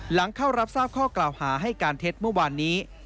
หลังเข้ารับทราบข้อกล่าวหาให้การเท็จเมื่อวานนี้